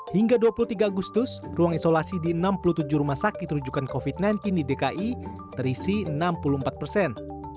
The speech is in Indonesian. hingga dua puluh tiga agustus ruang isolasi di enam puluh tujuh rumah sakit rujukan covid sembilan belas di dki terisi enam puluh empat persen